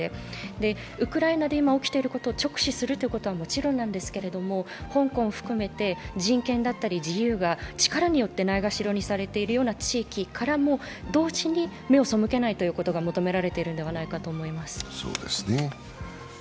ウクライナで今起きていることを直視することはもちろんなんですけれども香港を含めて人権だったり自由が力によってないがしろにされている地域からも同時に目を背けないということが求められているんだと思います。